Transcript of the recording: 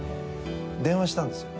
電話したんですよ。